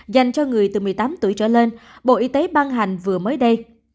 dành cho người từ một mươi tám tuổi trở lên bộ y tế ban hành vừa mới đây